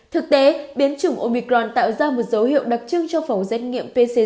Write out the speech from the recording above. thực tế biến chủng omicron tạo ra một dấu hiệu đặc trưng cho phòng xét nghiệm pcr